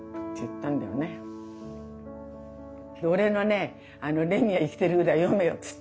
「俺の『レミは生きている』ぐらい読めよ」っつって。